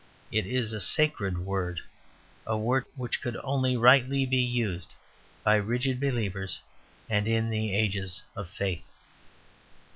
It is a sacred word, a word which could only rightly be used by rigid believers and in the ages of faith.